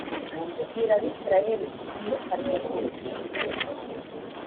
bwira abisirayeli uti ntimukarye urugimbu